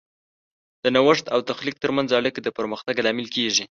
د نوښت او تخلیق ترمنځ اړیکه د پرمختګ لامل کیږي.